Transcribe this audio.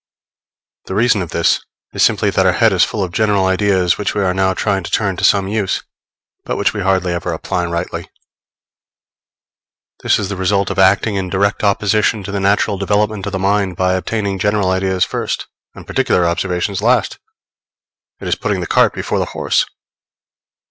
The reason of this is simply that our head is full of general ideas which we are now trying to turn to some use, but which we hardly ever apply rightly. This is the result of acting in direct opposition to the natural development of the mind by obtaining general ideas first, and particular observations last: it is putting the cart before the horse.